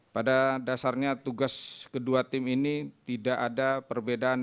pada dasarnya tugas kedua tim ini tidak ada perbedaan